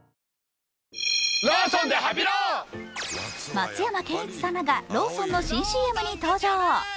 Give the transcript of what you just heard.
松山ケンイチさんらがローソンの新ＣＭに登場。